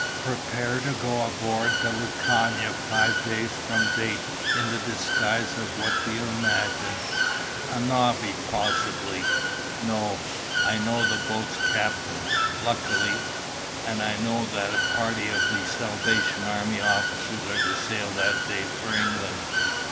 "Prepare to go aboard the Lucania five days from date in the disguise of what do you imagine?" "A navvy possibly." "No. I know the boat's captain, luckily, and I know that a party of Salvation Army officers are to sail that day for England.